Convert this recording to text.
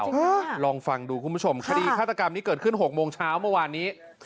ลองฟังดูคุณผู้ชมคดีฆาตกรรมนี้เกิดขึ้นหกโมงเช้าเมื่อวานนี้